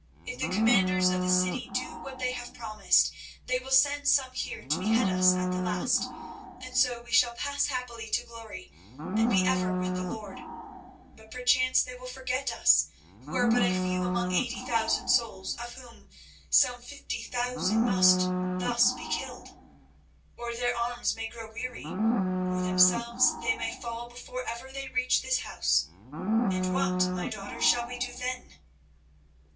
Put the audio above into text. If the commanders of the city do what they have promised, they will send some here to behead us at the last, and so we shall pass happily to glory and be ever with the Lord. But perchance they will forget us, who are but a few among eighty thousand souls, of whom some fifty thousand must thus be killed. Or their arms may grow weary, or themselves they may fall before ever they reach this house—and what, my daughters, shall we do then?"